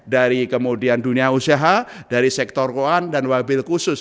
dari kemudian dunia usaha dari sektor keuangan dan wabil khusus